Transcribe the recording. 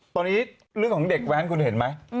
ตอนนี้เรื่องของเด็กแว้นคุณเห็นไหม